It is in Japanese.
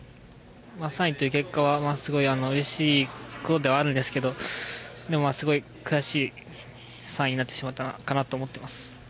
３位という結果はすごいうれしい事ではあるんですけどでもすごい悔しい３位になってしまったかなと思ってます。